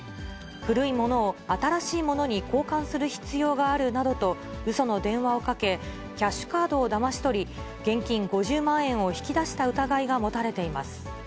古いものを新しいものに交換する必要があるなどと、うその電話をかけ、キャッシュカードをだまし取り、現金５０万円を引き出した疑いが持たれています。